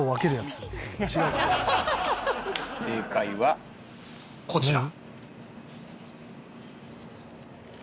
正解はこちら。